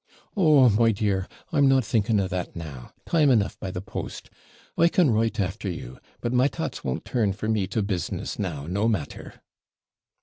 'Oh, my dear, I'm not thinking of that now time enough by the post I can write after you; but my thoughts won't turn for me to business now no matter.'